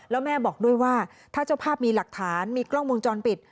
แล้วแม่บอกด้วยว่าถ้าเจ้าภาพมีหลักฐานมีกล้องวงจรปิด